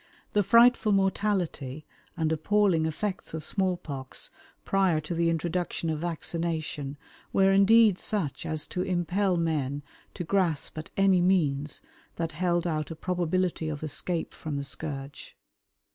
The frightful mortality and appalling effects of small pox prior to the introduction of vaccination were indeed such as to impel men to grasp at any means that held out a probability of escape from the scourge.